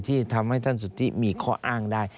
ที่ทำให้ท่านสุธิมีข้ออ้างได้